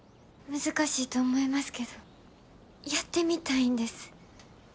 難しいと思いますけどやってみたいんです。